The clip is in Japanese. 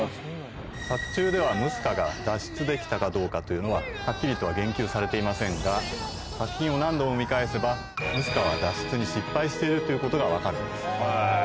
作中ではムスカが脱出できたかどうかというのははっきりとは言及されていませんが作品を何度も見返せばムスカは脱出に失敗しているということが分かるんです。